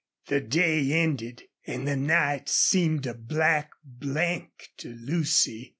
The day ended, and the night seemed a black blank to Lucy.